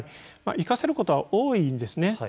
生かせることは多いんですね。